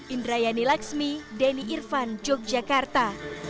indrayani laksmi denny irvan yogyakarta